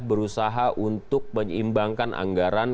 berusaha untuk menyeimbangkan anggaran